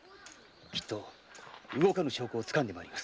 きっと動かぬ証拠を掴んでまいります。